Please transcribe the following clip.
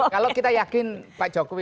kalau kita yakin pak jokowi